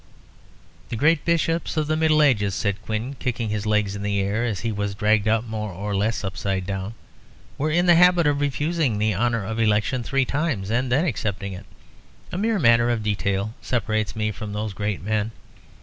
"The great Bishops of the Middle Ages," said Quin, kicking his legs in the air, as he was dragged up more or less upside down, "were in the habit of refusing the honour of election three times and then accepting it. A mere matter of detail separates me from those great men.